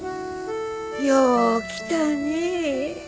よう来たね。